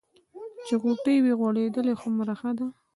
چې غوټۍ وي غوړېدلې هومره ښه ده.